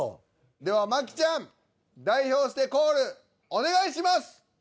では麻貴ちゃん代表してコールお願いします。